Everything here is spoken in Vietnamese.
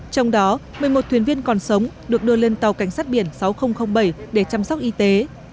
trong đó một mươi một thuyền viên còn sống được đưa lên tàu cảnh sát biển sáu nghìn bảy để chăm sóc y tế